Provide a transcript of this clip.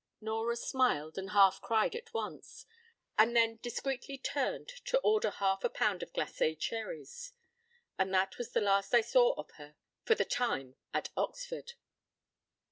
p> Nora smiled and half cried at once, and then discreetly turned to order half a pound of glacé cherries. And that was the last that I saw of her for the time at Oxford.